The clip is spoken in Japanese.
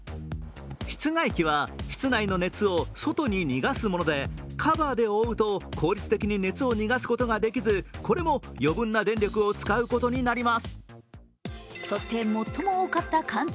室外機は室内の熱を外に逃がすもので、カバーで覆うと効率的に熱を逃がすことができず、これも余分な電力を使うことになります。